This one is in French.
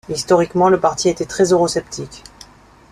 Historiquement, le parti a été très eurosceptique.